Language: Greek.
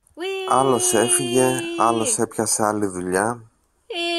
Άλλος έφυγε, άλλος έπιασε άλλη δουλειά.